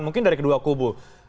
mungkin dari kedua kubur